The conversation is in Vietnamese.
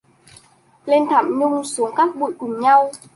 Lên thảm nhung, xuống cát bụi cùng nhau